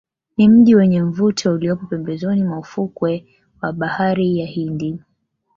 Ni mji wenye mvuto uliopo pembezoni mwa ufukwe wa bahari ya Hindi